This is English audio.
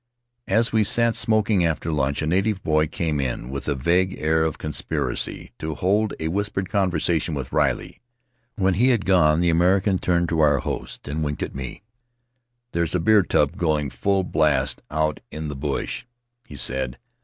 As we sat smoking after lunch, a native boy came in, with a vague air of conspiracy, to hold a whispered conversation with Riley. When he had gone the American winked at our host and turned to me. "There's a beer tub going full blast out in the bush," he said.